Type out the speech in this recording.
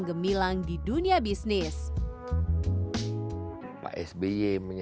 ide pelajaran dan ijazah tuh sedang peroleh